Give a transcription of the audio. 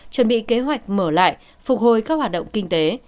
chuẩn bị kế hoạch mở lại phục hồi các hoạt động kinh tế